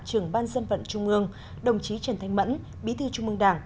trưởng ban dân vận trung ương đồng chí trần thanh mẫn bí thư trung mương đảng